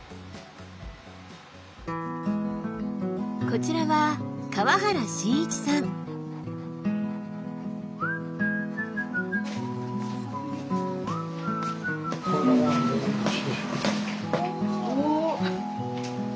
こちらはお！